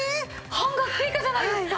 半額以下じゃないですか！